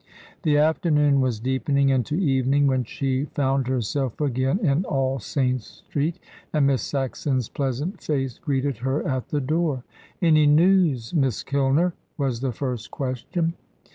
The afternoon was deepening into evening when she found herself again in All Saints' Street, and Miss Saxon's pleasant face greeted her at the door. "Any news, Miss Kilner?" was the first question.